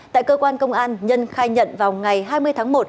tại cơ quan công an nhân khai nhận vào ngày hai mươi tháng một